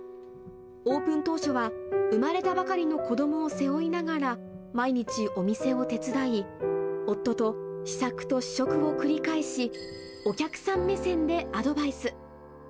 オープン当初は、産まれたばかりの子どもを背負いながら、毎日お店を手伝い、夫と試作と試食を繰り返し、お客さん目線でアドバイス。